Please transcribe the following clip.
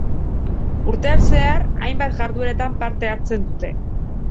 Urtean zehar hainbat jardueratan parte hartzen dute.